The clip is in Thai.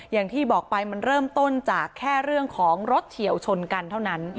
อย่างที่บอกไปมันเริ่มต้นจากแค่เรื่องของรถเฉียวชนกันเท่านั้น